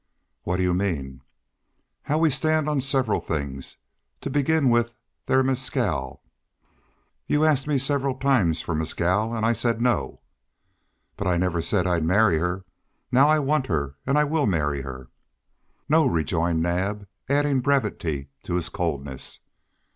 "What do you mean?" "How we stand on several things to begin with, there Mescal." "You asked me several times for Mescal, and I said no." "But I never said I'd marry her. Now I want her, and I will marry her." "No," rejoined Naab, adding brevity to his coldness.